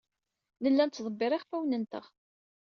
Nella nettḍebbir iɣfawen-nteɣ.